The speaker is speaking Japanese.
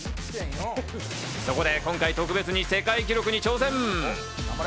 そこで今回、特別に世界記録に挑戦。